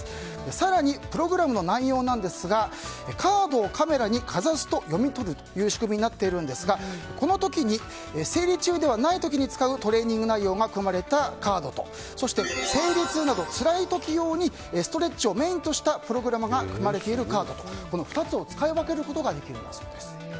更にプログラムの内容ですがカードをカメラにかざすと読み取るという仕組みになっているんですがこの時に生理中ではない時に使うトレーニング内容が含まれたカードとそして生理痛などつらい時用にストレッチをメインとしたプログラムが組まれているカードという２つを使い分けることができるんだそうです。